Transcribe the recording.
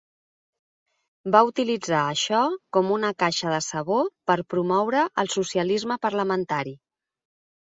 Va utilitzar això com una caixa de sabó per promoure el socialisme parlamentari.